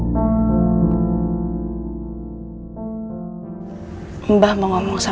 sampai jumpa di video selanjutnya